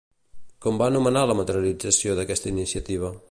Com va anomenar la materialització d'aquesta iniciativa?